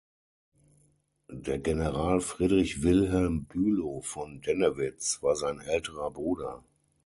Der General Friedrich Wilhelm Bülow von Dennewitz war sein älterer Bruder.